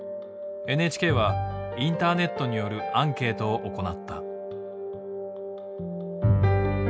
ＮＨＫはインターネットによるアンケートを行った。